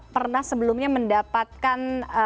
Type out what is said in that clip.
pernah sebelumnya mendapatkan